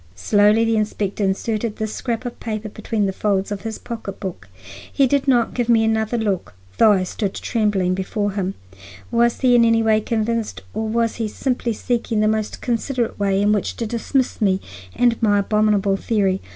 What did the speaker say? Slowly the inspector inserted this scrap of paper between the folds of his pocketbook. He did not give me another look, though I stood trembling before him. Was he in any way convinced or was he simply seeking for the most considerate way in which to dismiss me and my abominable theory?